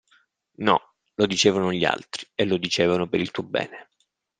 No, lo dicevano gli altri, e lo dicevano per il tuo bene.